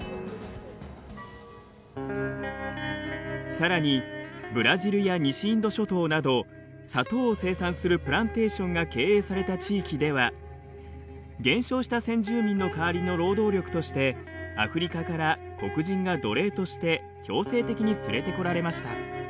さらにブラジルや西インド諸島など砂糖を生産するプランテーションが経営された地域では減少した先住民の代わりの労働力としてアフリカから黒人が奴隷として強制的に連れてこられました。